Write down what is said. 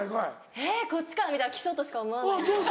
えっこっちから見たらきしょ！としか思わない。